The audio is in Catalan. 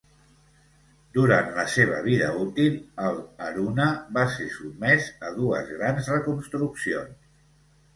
Durant la seva vida útil, el "Haruna" va ser sotmès a dues grans reconstruccions.